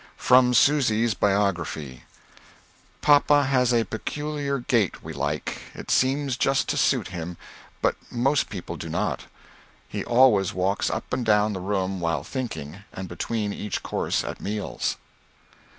From Susy's Biography. Papa has a peculiar gait we like, it seems just to sute him, but most people do not; he always walks up and down the room while thinking and between each coarse at meals.